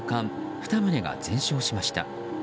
２棟が全焼しました。